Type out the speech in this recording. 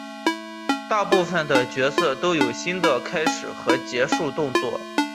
大部分的角色都有新的开场和结束动作。